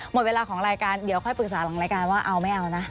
หมดเวลาของรายการเดี๋ยวค่อยปรึกษาหลังรายการว่าเอาไม่เอานะ